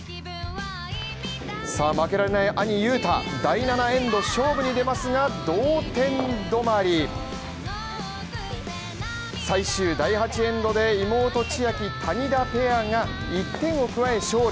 負けられない兄・雄太、第７エンド、勝負に出ますが、同点止まり、最終第８エンドで、妹千秋・谷田ペアが１点を加え勝利。